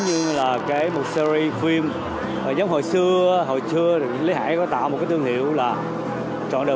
như là cái một series phim và giống hồi xưa hồi chưa lý hải có tạo một cái thương hiệu là chọn đời